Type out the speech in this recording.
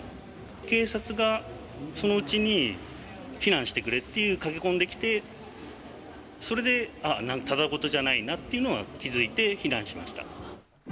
警察がそのうちに避難してくれって駆け込んできて、それで、あっ、ただごとじゃないなっていうのは気付いて避難しました。